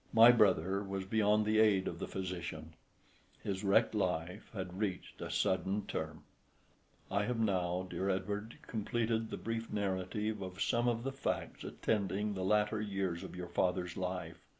My brother was beyond the aid of the physician: his wrecked life had reached a sudden term! I have now, dear Edward, completed the brief narrative of some of the facts attending the latter years of your father's life.